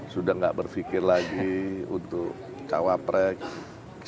sudah nggak berfikir lagi untuk cawaprek